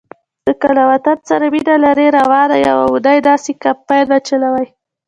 نو که له وطن سره مینه لرئ، روانه یوه اونۍ داسی کمپاین وچلوئ